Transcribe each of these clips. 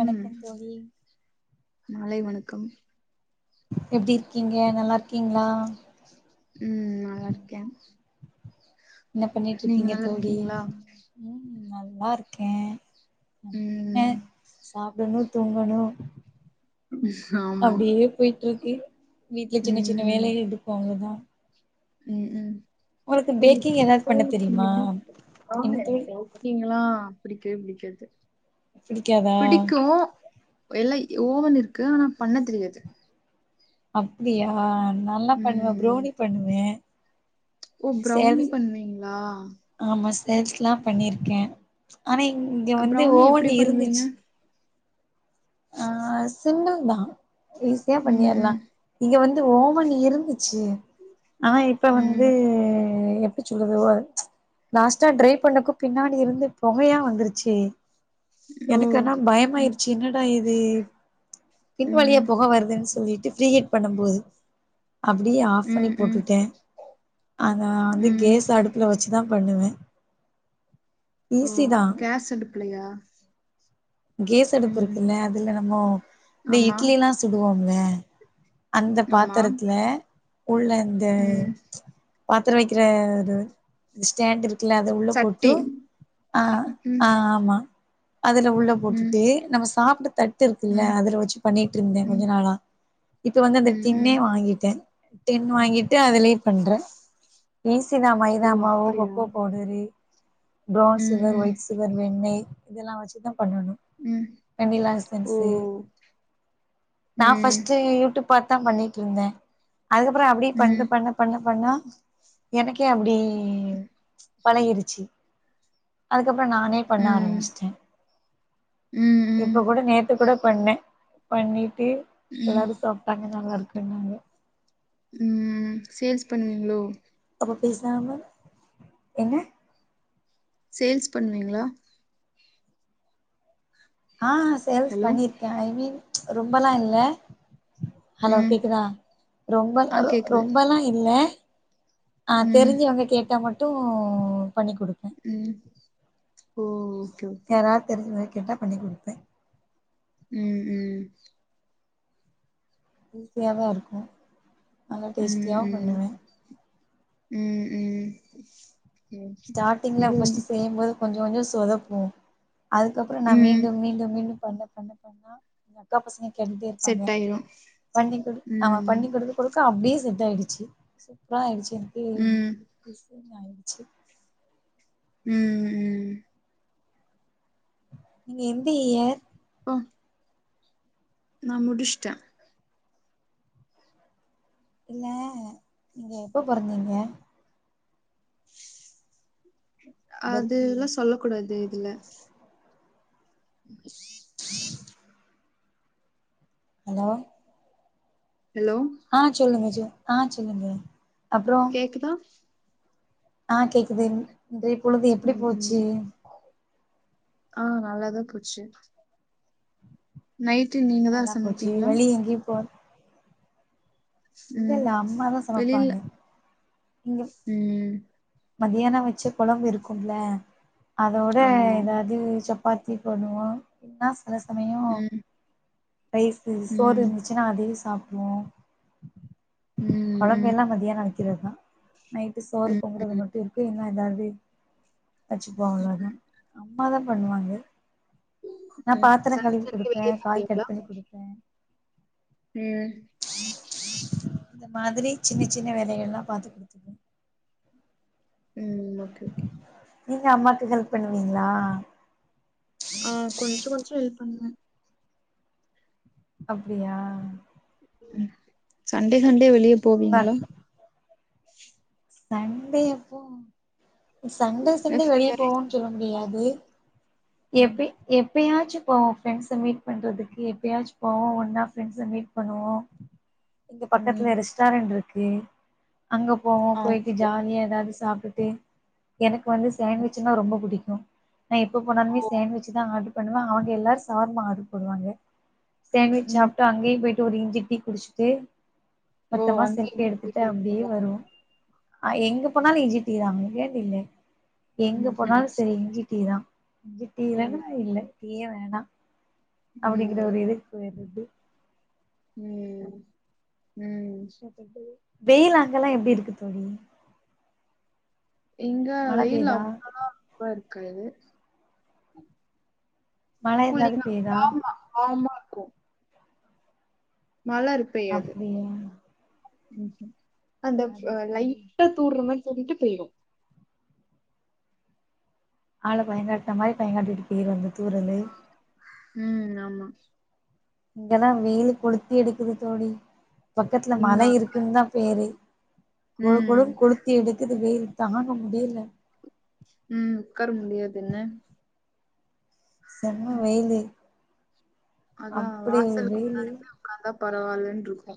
ம் வணக்கம் தோழி மாலை வணக்கம் எப்டிருக்கீங்க நல்லாருக்கீங்ளா ம் நல்லாருக்கே என்ன பண்ணிட்ருக்கீங்க தோழி ம் நல்ல நல்லாருக்கே என்ன ம் சாப்டணு தூங்கணு ஆமா அப்டியே பேயிட்ருக்கு வீட்ல சின்ன ம் சின்ன ம் வேலைகள் இருக்கு அவ்ளோதா ம் ம் உங்களுக்கு பேக்கிங் ஏதாவது [inaudible] பண்ண தெரியுமா ஆ என்ன தோழி இருக்கீங்ளா பிடிக்கவே பிடிக்காது பிடிக்காதா பிடிக்கு எல்லா ஓவன் இருக்கு ஆனா பண்ண தெரியாது அப்டியா நல்லா பண்ணுவே ம் ப்ரோணி பண்ணுவே ஓ ப்ரௌனி சேல்ஸ் பண்ணுவீங்களா ஆமா சேல்ஸ்லா பண்ணியிருக்கே ஆனா இங்க வந்து ப்ரௌனி ஓவன் எப்டி பண்ணுவீங்க இருந்துச்சு ஆஹ் சிம்பில் தா ஈஸியா ம் பண்ணியரலா ம் இங்க வந்து ஓவன் இருந்துச்சு ஆனா இப்ப வந்து ம் எப்படி சொல்லுது லாஸ்டா ட்ரை பண்ணக்கு பின்னாடி இருந்து பொகையா வந்துருச்சு ஓ எனக்குனா ம் பயமாயிடுச்சு என்ன இது பின்வழியா ம் புக வருதுன்னு சொல்லிட்டு டிப்ரீ ஹீட் பண்ணும் போது அப்டியே ஆஃப் பண்ணி ம் ம் போட்டுட்டே அத அது ம் கேஸ் அடுப்பி வச்சு தா பண்ணுவே ஓ ஈஸி தா கேஸ் அடுப்புலையா கேஸ் அடுப்பு இருக்குல்ல அதுல நம்மோ இந்த ஆமா இட்லி எல்லா சுடுவோம் வே அந்த ஆமா பாத்திரத்துல உள்ள இந்த ம் பாத்தரம் வைக்கிற இது ஸ்டேண்டு இரு குல்ல அத உள்ள போட்டு சக்தி ஆஹ் ம் ம் ஆஹ் ஆமா அதுல உ ம் போட்டுட்டு நம்ம சாப்ட தட்டு இருக்குல்ல ம் அதுல வச்சு பண்ணிட்டு இருந்தே கொஞ்ச நாளா இப்ப வந்து அந்த ம் டின்னே ம் வாங்கிட்டே டின் ம். வாங்கிட்டு அதுலயே பண்றேன் ஈசிதா ஓ மைதாமாவோ அப்டியா கொக்கோ பவுடரு பிரௌன் ம் சுகர் ம் ஒயிட் சுகர் வெண்ணெய் இதெல்லா வச்சுதா பண்ணணு ம் வெண்ணிலா ஓ எசன்சு நா ம் பர்ஸ்ட்டு யூடூப் பாத் தான் பண்ணிட்ருந்தே அதுக்கப்பற அப்டி பண்ண ம் பண்ண பண்ண பண்ணா எனக்கே அப்டி பலகிடுச்சு அது க்கப்புறம் நானே பண்ண ஆரம்பிச்சட்டே உம் இப்ப கூட நேத்து கூட பண்ணேன் பண்ணி டு ம் எல்லாரு சாப்ட்டாங்க நல்லாருக் பண்ணங்க ம் சேல்ஸ் பண்ணுவீங்களோ அப்ப பேசாம என்ன சேல்ஸ் பண்ணுவீங்களா ஆ சேல்ஸ் ஹலோ பண்ணியிருக்கே ஐ மீன் ரொம்பல்லா இல்ல ஹலோ ம் கேக்குதா ரொம்ப ஆ ரொ கேக்குது ரொம்பல்லாம் இல்ல ஆ ம் தெரிஞ்சவங்க கேட்டா மட் டும் பண்ணி குடுப் ம் ஓ ஓகே யாரா தெரிஞ்சுது கேட்டா பண்ணி குடுப்பே ம் ம் ஈஸியாதா இருக்கு நல்லா ம் டேஸ்டியாவும் ம் பண்ணுவே ம் ம் சரி. ஸ்டாட்டிங்ல இது ஃபஸ்ட்டு செய்யும்போது கொஞ்சோ கொஞ்சோ சொதப்பும் அதுக்கப்பற நா ம் மீண்டும் மீண்டும் மீண்டும் பண்ண பண்ண பண்ண எங்க அக்கா பசங்க கேட்டுட்டே இருப்பாங்க செட் ஆயிரு பண்ணி கொடு ஆமா ம் பண்ணி கொடுக்க கொடுக்க அப்டே செ இதாய்டுச்சு சூப்பர ஆய்டுச்சு எனக்கே ம் ஞ்ய்டுச்சு ம் ம் நீங்க எந்த இயர் அ நா முடிச்ட்ட இல்ல நீங்க எப்ப பொறந்திங்க பர்த் அதுல்லா இயர் சொல்ல கூடாது இதுல ஹலோ ஹலோ ஆ சொல்லுங்க சொ ஆ சொல்லுங்க அப்புற கேக்குதா ஆ கேக்குது இன்றய பொழுது எப்டி ம் ம் போச்சு ஆ நல்லாதான் போச்சு நைட்டு நீங்க தான் நல்லா போச்சு சமைப்பீங்களா வெளிய எங்கேயு போ இல்ல இல்ல அம்மாதான் வெளில சமப்பாங்க இங்க ம் மதியான வச்ச குழம்பு இருக்கும்ல அதோட ஆமா எதாது சப் பாத்தி போண்ணுவோம் இல்ல சில சமய ம் ரைஸ் சோறு ம் இருந்துச்சுன்னா அதே சாப் டுவோ ம் குழம்ப ம் எல்லாம் மதியானம் வக்கிறதான் நைட்டு சோறு ம் போங்குறது ம் மட் டுருக்கு என்ன எதாது வச்சுப்போம் அவ்ளதான் அம்மாதான் பண்ணுவாங்க நா பாத்திரம் கழுிவு சண்டே வெளிய கொடுப்பேன் காய் கட் போவீங்ளா பண்ணி கொடுப்பேன் ம் இந்த மாதிரி சின்ன சின்ன வேலைகள்லாம் பாத்து உம் ஓகே ஒகே நீங்க அம்மாக்கு ஹெல்ப் பண்ணுவீங்களா ஆஹ் கொஞ்சம் கொஞ்சம் ஹெல்ப் ஆமா அப்படியா சண்டே சண் டே வெளிய உங்க போவீங்களா அக் சண்டே எப்போ சண்டே இல்ல சண்டே வெளியே ஃப்ரீயா போவோன்னு சொல்ல முடியாது ம் ஏபி ஏபி எப்பயாச்சும் போவோம் ஃபிரெண்ட்ஸ மீட் பண்றதுக்கு எப்பயாச்சு போவோம் ஒன்னா ஃபிரெண்ட்ஸ மீட் பண்ணுவோம் எங்க ம் பக்கத்துல ரெஸ்டாரண்ட் இருக்கு ஓகே அங்க போவோம் ஆ போயிட்டு ஓகே ஜாலியா ஏதாவது சாப்பிட்டுட்டு எனக்கு வந்து சேண்ட்விச்னா ரொம்ப பிடிக்கு நா எப்ப ஓ போனாலுமே சேண்ட்விச் தான் ஆர்டரு பண்ணுவ அவங்க எல்லாரு சவர்மா ஆர்டரு போடுவாங்க சண்ட்விச் ம் சாப்ட்டு அங்கயு போயிட்டு ஒரு இஞ்சி டீ குடிச்சுட்டு ஓ மொத்தமா அங்கேயே செல்ப்பி இங்கேயே எடுத்துட்டு அப்படியே குடிப்பீங்களா? வருவோ ஆஹ் எங்க போனாலு இஞ்சி டீ தா [unintelligible] எங்க போனாலு சரி இஞ்சி டீ தா இஞ்சி டீ இல்லனா ம் இல்ல டீயே வேணா அப்படிங்கிற ஒரு இதுக்கு து உம் எப்ப டே வெயில் அங்கல்லா எப்படி இருக்கு தோழி எங்க மழ வெயில் [unintelligible] பெய்தா அவளவா இருக்காது உம் மழை ஏதாது பெய்தா கோம் மழ இரு பெய்யாது அப்டியா ம்ஹூம் அந்த அது சரி லைட்டா தூடுறமாரி சொல்லிட்டு போயிரு ஆள பயங்காட்டின மாரி பயங்காட்டிட்டு போயிரு அந்த தூரலு உம் ஆமா இங்கதா வெயிலு கொளுத்தி எடுக்குது தோழி பக்கத்துல இங்க மலை அங்க இருக்குன்தா பேரு கொழு ம் கொழு கொளுத்தி எடுக்குது வெயிலு தாங்க முடியல உம் உட்கார முடியாது என்ன செம்ம வெயிலு அதா அப்டி ஒரு வாசலுக்கு வெயிலு முன்னாடி போய் உட்காந்தா பரவாயில்ன்ருக்கு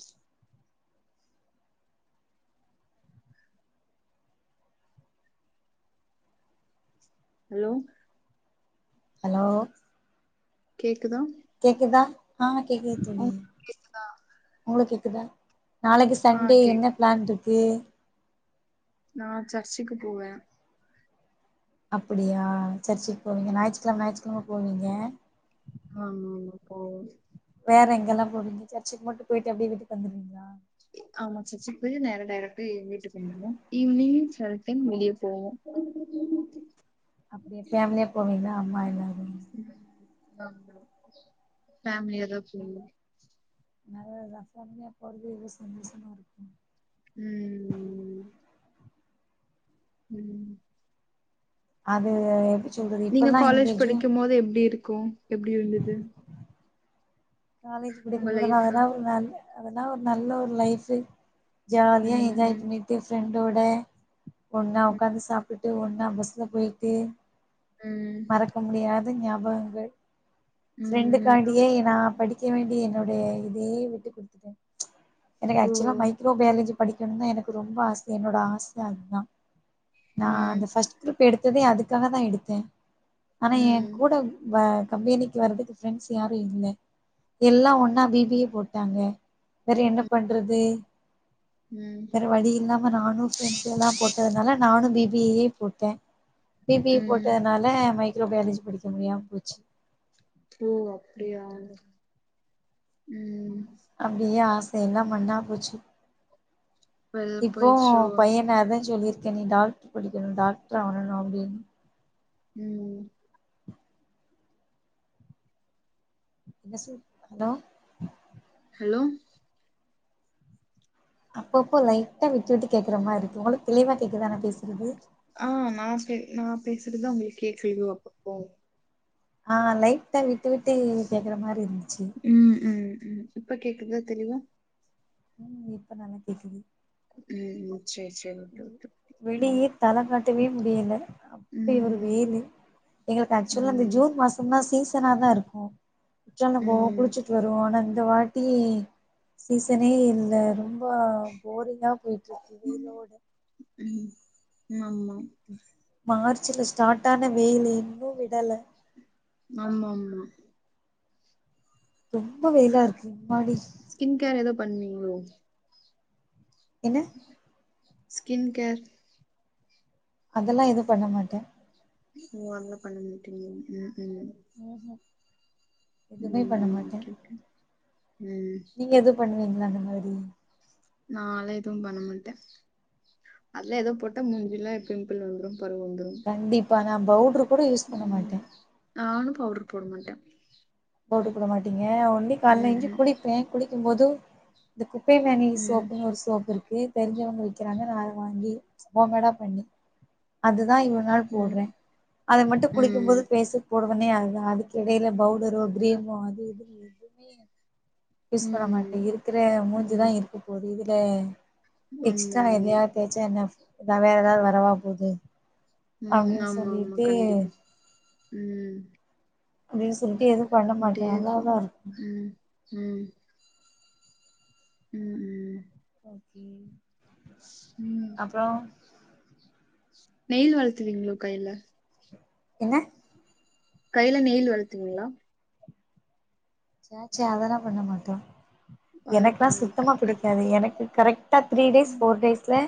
ஹலோ ஹலோ கேக்குதா கேக்குதா ஆ கேக்குது தோழி, உங்களுக்கு கேக்குதா? உங்களுக்கு கே க்குதா நாளைக்கு ஆ சண்டே கேக்குது. என்ன பிளான் இருக்கு நா சர்ச்சுக்கு போவே அப்படியா சர்ச்சுக்கு போவீங்களா ஞாயிற்றுக்ழம ஞாயிற்றுக்ழம போவீங்க ஆமாமா போவோ வேற எங்கெல்லா போவீங்க சர்ச்சுக்கு மட்டு போயிட்டு எப்டே வீட்டுக் வந்துருவீங்ளா ஆமா சர்ச்சிக்கு போயி நேர டைரக்டா வீட்டுக் வந்துருவோ ஈவினிங் செல் டைம் வெளிய போவோ அப்டியே ஃபேமிலியா போவீங்க அம்மா எல்லாருமே அ போவோ ஃபேம்லியாதா போவோ நல்லதுதா ஃம்லியா போற்து எதோ சந்தோசமா இருக்கு ம் ம் ம் அது எபி நீங்க காலேஜ் படிக்கும்மோது எப்டி இருக்கு எப்டி இருந்துது காலேஜ் பிடிக்கும்போத நா லைஃபு அதனாலா வேன்ல அதலா ஒரு நல்ல ஒரு லைஃப்பு ஜாலியா ம் என்ஜாய் ம் பண்ணிட்டு ஃப்ரெண்டோட ஒன்னா ஒக்காந்து சாப் விட்டு ஒன்னா பஸ்ல போயிட்டு ம் ம் மறக்க முடியாது து ஞாபகங்கள் ம் ஃப்ரெண்டுக்காண்டியே நா படிக்க வேண்டிய என்னுடைய இதயே விட்டு குடுத்துட்டே எனக்கு ஓ ஆக்சுவலா மைக்ரோ பயாலஜி படிக்கணுந்தா எனக்கு ரொம்ப ஆச என்னோட ஆசயு அதுதா நா ம் அந்த ஃபர்ஸ்ட் குரூப் ப் எடுத்ததே அதுக்காகதா எடுத்தே ஆனா எ ம் கூட வ கம்பெனிக்கு வறதுக்கு ஃபிரண்ட்ஸ் யாரு இல்ல எல்லா ஒன்னா பி பி ஏ போட்டாங்க வேற என்ன ம் பண்றது ம் வேற வழி இல்லா நானு ஃப்ரெண்ட்ஸ் எல்லா போட்டதுனால நானு பி பி ஏயே போட்டே பி பி ஏ ம். போட்டத்னால மை [unintelligible] மேனேஜ் படிக்க முடியாம போச்சு ஓ என்ன அப்டியா பண்றது ம் அப்டியே ஆச எல்லா மண்ணா போச்சி வெல் இப்போ போயிச்சோ பையன அதா சொல்லிருக் கே நீ டாக்டர் படிக்கணு டாக்டர் ஆவணு அப்டின்னு ம் என்ன சொல் ஹலோ ஹலோ அப்பப்ப லைட்டா விட்டு விட்டு கேக்குற மா இருக்கு உங்களுக் தெளிவா கேக்குதா நா பேசுறது பேசுறதுதா உங்ளுக்கு கேக்கலயோ அப்பப்போ ஆ லை டா விட்டு விட்டு கேக்குற மாரி இருந்துச்சி ம் ம் ம் இப்ப கேக்குதா தெளிவா ம் இப்ப நல்லா கேக்குது ம் சரி சரி ஓகே ஓகே ம் வெளியே தல காட் டவே முடியல அப்படி ஒரு ம் வேலை எங்களுக்கு ஆக்சுவலா இந்த ம் ஜூன் மாசோந்தா சீஸ் தனா தாருக்கூ குற்றாலோ போவோ ம் குளிச்சுட்டு வருவோ ஆனா இந்த வாட்டி சீசனே இல்ல ரொம்ப போரிங்கா வீட்டுக்கு வீரோட ம் மாம்மா மார்ச்ல ஸ்டாட்டான வெயிலு இன்னூ விடல ஆமா ஆமா ரொம்போ வெயிலாருக்கு எம்மாடி பண்ணீங்ளோ என்ன ஸ்கின் கேர் அதெல்லா எதூ பண்ண மாட்டே ஓ அத்லா பண்ணமாட்டீங்க ம் ம் ம்ஹும் உம் ம் ஓகே கே நீங்க எது பண்ணுலீங் களா இந்த மாரி நால எதுவு பண்ணமாடே அதுலா இதொ போட்டா மூஞ்சுலா பிம்பிள் வந்துரும். பருவ் வந்துரும். பாங்க பவுட்ரு. ம் நானு பவுடர் போட மாட்டே பவுடர் போடமாட்டீங். க ஒன்லி காலஞ்சு ம் குளிப்பே குளி கும்போது தகு பைமேனி ம் சோப்புனு ஒரு சோப்புருக்கு. தெரிஞ்சவங்க விக்கிறாங்க நா அத வாங்கி [unintelligible] பண்ணி அது. தா இவ்ளவு நாள் ம் போடுறே அது மட்டு குளிக்கும் போது ம் பேஸுக் போடு. உண்மையா தா அதுக்கிடையில பவுடுரு. க்ரீமு அது இது எதுவுமே யூஸ் பண்ண மாட்டே ம் இருக்கிற ம் மூஞ்சுதா ம் இருக்கு போது இதுக் கு ஆமா எக்ஸ்ட்டா நா ஆமா எதையா தேச்ச என்ன அஃப் தா வேற எதாவ வரவா போது உம் அப்டின்னு ஆமா ஆமா சொல்லிட்டு கண்டிப்பா உம் அப்டின் சொல்லி அப்டியக்கும் உம் உம் உம் உம் ம் ம் அப்புறோ நெயில் வளத்துவீங்களோ கையில என்ன கையில நெயில் வளத்துவிங்களா சாச்சே அதல்லா பண்ண மாட்டோ அதை எனக்குல்லா பண்ண சுத்தமா கட் பிடிக்காது எனக்கு கரெக் டா த்ரீ டேஸ் ஃபோர் டேஸ்ல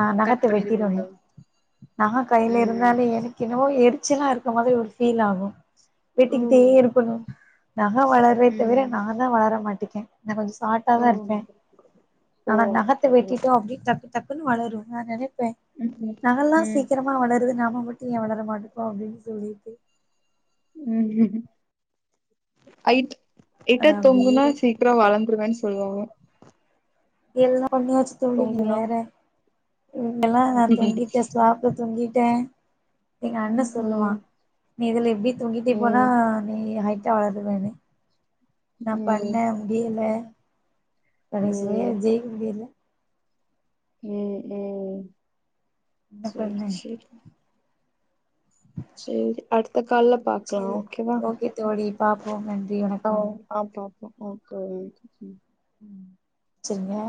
ஆஹ் கட் நகத்த வெட்டிடனு பண்ணிடுவீங்களோ நக கையில ம் இருந்தாலு எனக்கு என்னவோ எருக் ச்சலா இருக்க மாதிரி ஒரு ஃபீல் ஆகு ஓ வெட்டிக்கிட்டே இருக்கணு நக வளர்ரே தவிர ம் நாந்தா வளர மாட்டிக் க நா கொஞ்சொ ஓ சார்ட்டாதா இருப்பே ஓ நானா நகத்த அப்படியா. வெட்டிட்டோ அப்பிடி தக்கு தக் குனு வளரு நா நெனைப் பே ம் நகல்லா ம் சீக்கிரமா வளருது நாம ம மட்டு ஏ வளர மாட்டுக்கோ அப்டின்னு சொல்லிட்டு உம் அயிட் எயிட்டா அது தொங்குனா அப்டியே சீக்கரொ வளந்து ப்புடுவேன் சொல்வாங்க எல்லா பண்ணியாச்சு தோழி நீங்க தொங்குனா வேற இங்கெல்லா நா தொங்கிட்டே ஸ்லாப்ல தொங்கி ட்ட எங்க அண்ண ம் சொல்லுவா ம் நீ இதுல எவ்வி தொங்கிட்டே போனா ம் நீ ஹைட் டா வளருவேனு நா பண்ண ம் முடியல கடைசி வரயா ம் ஜெய்க முடியல ம் ம் என்ன செரி பண்ண செரி சேரி அடுத் த கால்ல பாக்கலா சேரி ஓகேவா ஓகே தோழி பாப்போ நன்றி ஆ ஓ வணக்கம் அ பாப் ஓ ஓக் தோழி செரிங்க